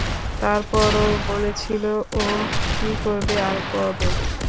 তারপর ও বলেছিল ও কী করবে আর কবে।